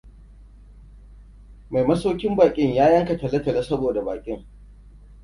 Mai masaukin baƙin ya yanka talotalo sabida baƙin.